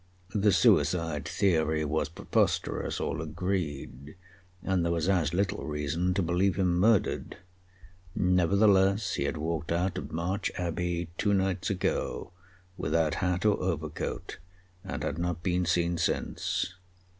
The suicide theory was preposterous, all agreed, and there was as little reason to believe him murdered. Nevertheless, he had walked out of March Abbey two nights ago without hat or overcoat, and had not been seen since.